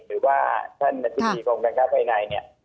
หรือว่าท่านบัตรศิษย์ของการค้าภายในเนี่ย